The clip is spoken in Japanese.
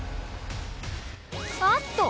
あっと！